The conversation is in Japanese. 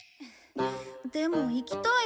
でも行きたい。